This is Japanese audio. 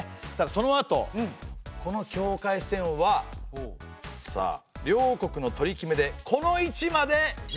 そのあとこの境界線はさあ両国の取り決めでこの位置までずれました。